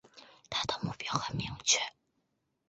他的目标很明确